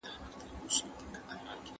په رسنیو کي باید د چا شخصي ژوند ونه سپک سي.